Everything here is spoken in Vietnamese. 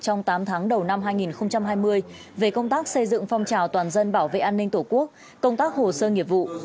trong tám tháng đầu năm hai nghìn hai mươi về công tác xây dựng phong trào toàn dân bảo vệ an ninh tổ quốc công tác hồ sơ nghiệp vụ